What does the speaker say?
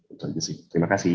itu aja sih terima kasih